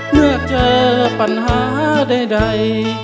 เมื่อเจอปัญหาใด